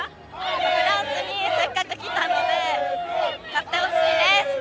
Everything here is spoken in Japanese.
フランスにせっかく来たので勝ってほしいです！